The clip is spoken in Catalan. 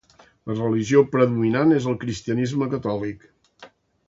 La religió predominant és el cristianisme catòlic.